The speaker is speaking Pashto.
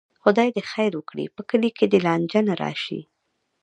خدای دې خیر وکړي، په کلي کې دې لانجه نه راشي.